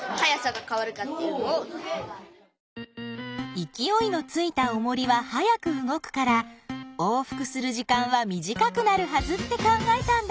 いきおいのついたおもりは速く動くから往復する時間は短くなるはずって考えたんだ。